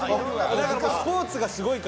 スポーツがすごいから。